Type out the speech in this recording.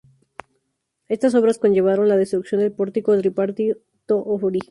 Estas obras conllevaron la destrucción del pórtico tripartito original.